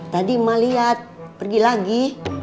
tadi ma lihat pergi lagi